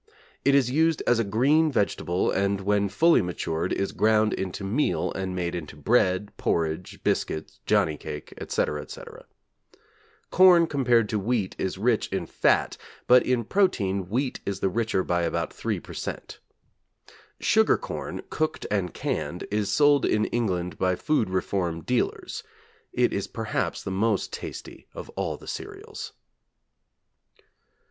It is used as a green vegetable and when fully matured is ground into meal and made into bread, porridge, biscuits, Johnny cake, etc., etc. Corn compared to wheat is rich in fat, but in protein wheat is the richer by about 3 per cent. Sugar corn, cooked and canned, is sold in England by food reform dealers. It is perhaps the most tasty of all the cereals.